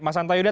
mas anta yuda